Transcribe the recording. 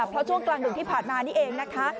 เพราะช่วงกลางดึกที่ผ่านมานี่เองนะคะ